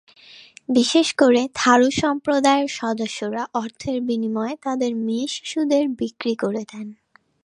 বিশেষ করে থারু সম্প্রদায়ের সদস্যরা অর্থের বিনিময়ে তাঁদের মেয়েশিশুদের বিক্রি করে দেন।